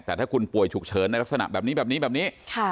แต่ถ้าคุณป่วยฉุกเฉินในลักษณะแบบนี้แบบนี้แบบนี้